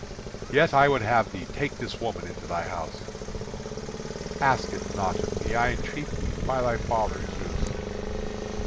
"Yet I would have thee take this woman into thy house." "Ask it not of me, I entreat thee, by thy father Zeus."